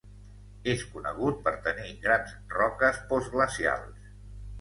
És conegut per tenir grans roques postglacials.